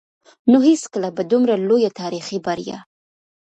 نو هېڅکله به دومره لويه تاريخي بريا